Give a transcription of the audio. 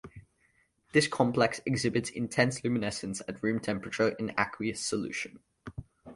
This complex exhibits intense luminescence at room temperature in aqueous solution.